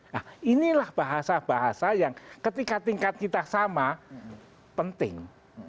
nah inilah bahasa bahasa yang ketika tingkat kita sama penting